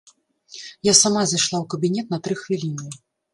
Я сама зайшла ў кабінет на тры хвіліны.